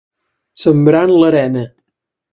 Sembrar en l'arena.